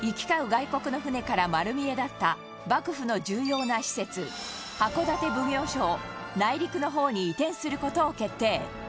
外国の船から丸見えだった幕府の重要な施設、箱館奉行所を内陸の方に移転する事を決定